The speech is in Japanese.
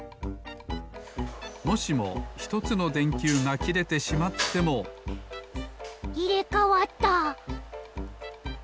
もしも１つのでんきゅうがきれてしまってもいれかわった！